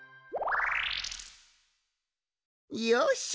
よし！